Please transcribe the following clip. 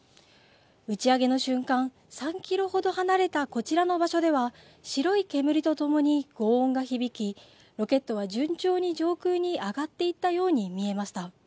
打ち上げの瞬間、３キロほど離れたこちらの場所では白い煙とともにごう音が響きロケットは順調に上空に上がっていったように見えました。